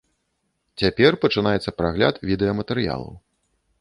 Цяпер пачынаецца прагляд відэаматэрыялаў.